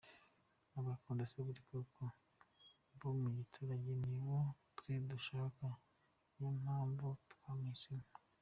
Abo bakunda Seburikoko bo mu giturage nibo twe dushaka, niyo mpamvu twamuhisemo.